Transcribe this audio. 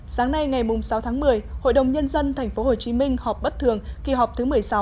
sáng nay ngày sáu tháng một mươi hội đồng nhân dân tp hcm họp bất thường kỳ họp thứ một mươi sáu